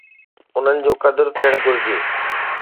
انهن جو قدر ٿيڻ گهرجي.